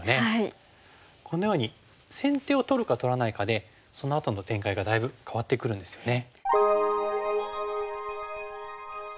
このように先手を取るか取らないかでそのあとの展開がだいぶ変わってくるんですよね。